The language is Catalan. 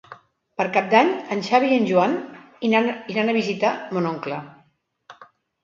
Per Cap d'Any en Xavi i en Joan iran a visitar mon oncle.